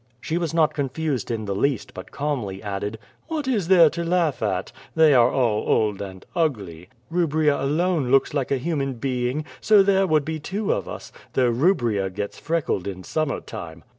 She was not confused in the least, but calmly added: "What is there to laugh at? They are all old and ugly. Uubria alone looks like a human being, so there would be two of U8, though Kubria gets freckled in summer time."